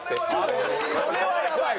これはやばい！